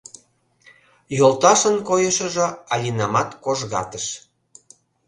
Йолташын койышыжо Алинамат кожгатыш.